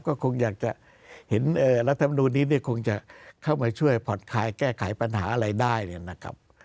ก็คงอยากจะเห็นรัฐมนูลนี้เนี่ยคงจะเข้ามาช่วยผ่อนคลายแก้ไขปัญหาอะไรได้เนี่ยนะครับ